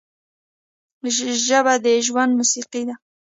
ژبه د ژوند موسیقي ده